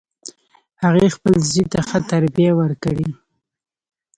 هغې خپل زوی ته ښه تربیه ورکړي